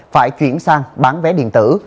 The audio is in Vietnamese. phải chuyển sang bán vé điện tử